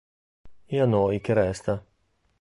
Ed a noi che resta?